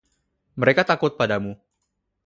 Mereka takut padamu.